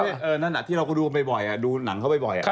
อันนั่นอย่างที่เราก็ดูไปบ่อยดูหนังเขาไปบ่อย